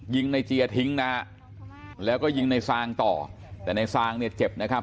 ยิงในเจียทิ้งนะฮะแล้วก็ยิงในซางต่อแต่ในซางเนี่ยเจ็บนะครับ